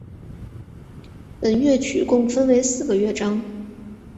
本乐曲共分为四个乐章。